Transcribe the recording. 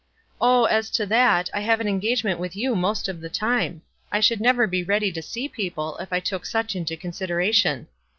"Oh, as to that, I have an enslavement with you most of the time. I should never he ready to see people, if I took such into consideration."